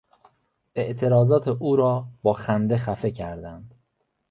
اعتراضات او را با خنده خفه کردند.